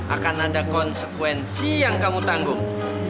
akan ada konsekuensi yang kamu tanggung